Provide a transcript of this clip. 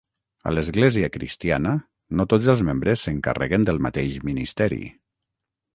A l'Església Cristiana no tots els membres s'encarreguen del mateix ministeri.